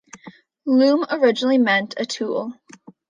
Loom originally meant a tool.